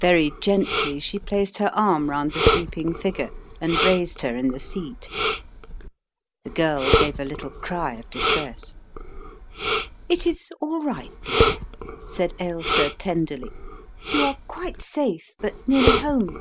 Very gently she placed her arm round the sleeping Which Introduces a New Friend 13 figure and raised her in the seat. The girl gave a little cry of distress. "It is all right, dear," said Ailsa, tenderly, "you are quite safe but nearly home.